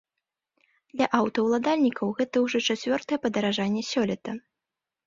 Для аўтаўладальнікаў гэта ўжо чацвёртае падаражанне сёлета.